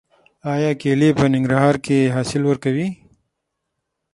آیا کیلې په ننګرهار کې حاصل ورکوي؟